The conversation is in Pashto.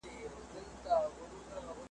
نه پېچک نه ارغوان یم `